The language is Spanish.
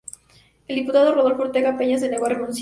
El diputado Rodolfo Ortega Peña se negó a renunciar.